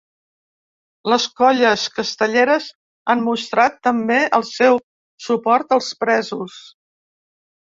Les colles castelleres han mostrat, també, el seu suport als presos.